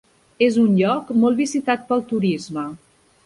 És un lloc molt visitat pel turisme.